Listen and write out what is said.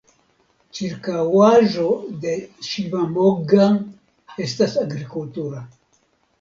Ĉirkaŭaĵo de Ŝivamogga estas agrikultura.